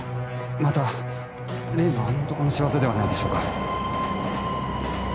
また例のあの男の仕業ではないでしょうか